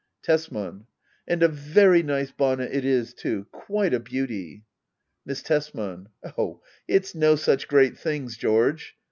Tesman. And a very nice bonnet it is too — quite a beauty ! Miss Tesman. Oh^ it's no such great things, George.